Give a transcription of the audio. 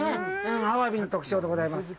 アワビの特徴でございます。